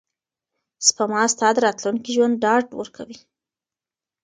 سپما ستا د راتلونکي ژوند ډاډ ورکوي.